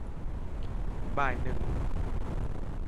บ่ายหนึ่ง